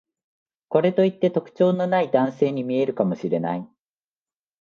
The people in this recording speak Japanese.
これといって特徴のない男性に見えるかもしれない